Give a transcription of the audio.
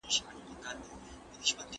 ځکه چي هغوی ژبه نه لري